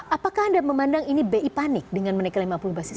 apakah anda memandang ini bi panik dengan menaik ke lima puluh basis point